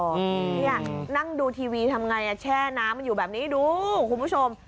นี่นั่งดูทีวีทำไงแช่น้ำมันอยู่แบบนี้ดูคุณผู้ชม